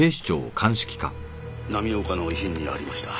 浪岡の遺品にありました。